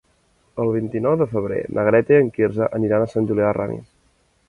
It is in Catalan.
El vint-i-nou de febrer na Greta i en Quirze aniran a Sant Julià de Ramis.